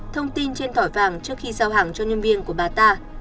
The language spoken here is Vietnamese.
thông tin trên thỏi vàng trước khi giao hàng cho nhân viên của bà ta